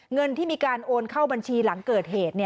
เงินที่มีการโอนเข้าบัญชีหลังเกิดเหตุ